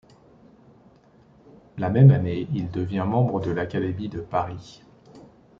La même année, il devient membre de l'Académie de Paris.